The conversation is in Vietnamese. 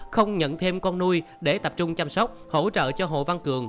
không nhận thêm con nuôi để tập trung chăm sóc hỗ trợ cho hộ văn cường